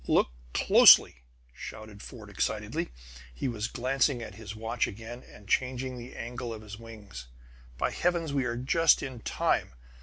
"Look closely!" shouted Fort excitedly. He was glancing at his watch again, and changing the angle of his wings. "By heavens, we are just in time!"